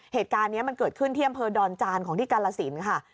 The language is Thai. เหตุการณ์นี้มันเกิดขึ้นที่อำเภอดอนจานของที่กาลสินค่ะ